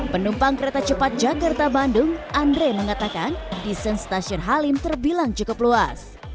penumpang kereta cepat jakarta bandung andre mengatakan desain stasiun halim terbilang cukup luas